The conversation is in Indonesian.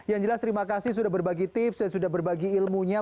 yang jelas terima kasih sudah berbagi tips saya sudah berbagi ilmunya